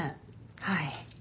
はい。